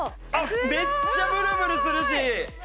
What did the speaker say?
めっちゃブルブルするし。